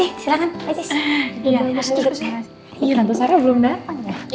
iya tante sarah belum datang ya